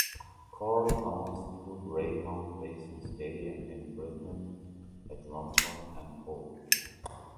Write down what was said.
Coral owns two greyhound racing stadia in Britain, at Romford and Hove.